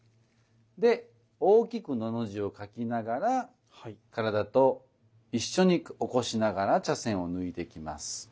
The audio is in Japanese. で大きく「の」の字を書きながら体と一緒に起こしながら茶筅を抜いていきます。